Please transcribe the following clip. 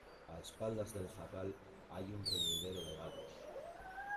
a espaldas del jacal hay un reñidero de gallos.